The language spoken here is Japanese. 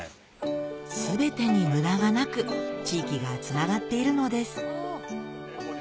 全てに無駄がなく地域がつながっているのです